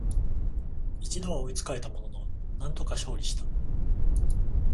一度は追いつかれたものの、なんとか勝利した